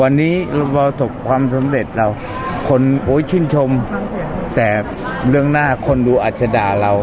วันนี้พอสมความสำเร็จเราคนโอ้ยชื่นชมแต่เรื่องหน้าคนดูอาจจะด่าเรา